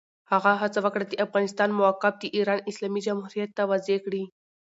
هغه هڅه وکړه، د افغانستان موقف د ایران اسلامي جمهوریت ته واضح کړي.